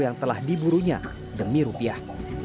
yang telah diburunya demi rupiah